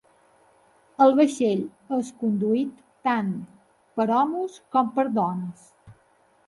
El vaixell és conduit tant per homes com per dones.